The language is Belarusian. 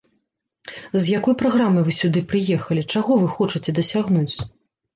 З якой праграмай вы сюды прыехалі, чаго вы хочаце дасягнуць?